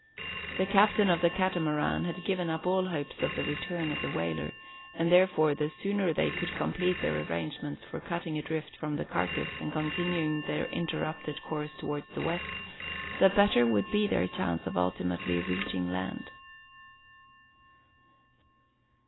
The captain of the Catamaran had given up all hopes of the return of the whaler; and therefore the sooner they could complete their arrangements for cutting adrift from the carcass, and continuing their interrupted course towards the west, the better would be their chance of ultimately reaching land.